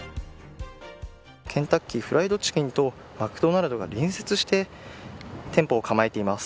ケンタッキーフライドチキンとマクドナルドが隣接して店をかまえています。